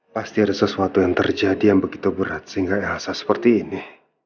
pasti ada sesuatu yang terjadi yang begitu berat sehingga rasa seperti ini